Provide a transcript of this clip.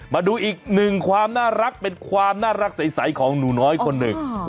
มาดูอีกหนึ่งความน่ารักเป็นความน่ารักใสของหนูน้อยคนหนึ่ง